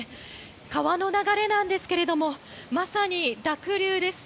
川の流れなんですけれどまさに濁流です。